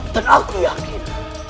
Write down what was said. dan aku yakin